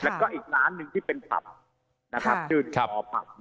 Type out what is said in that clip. แล้วก็อีกร้านหนึ่งที่เป็นปรับนะครับ